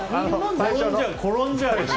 転んじゃうよ。